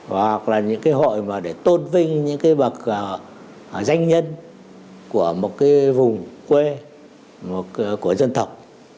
hoặc là những cái hội mà để tôn vinh những cái bậc danh nhân của một cái vùng quê của dân tộc